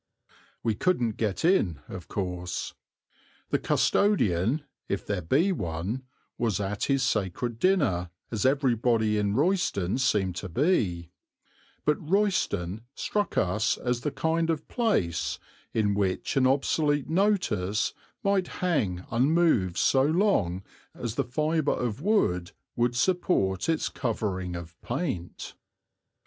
We couldn't get in, of course. The custodian, if there be one, was at his sacred dinner, as everybody in Royston seemed to be; but Royston struck us as the kind of place in which an obsolete notice might hang unmoved so long as the fibre of wood would support its covering of paint.